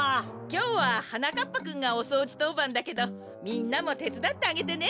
きょうははなかっぱくんがおそうじとうばんだけどみんなもてつだってあげてね！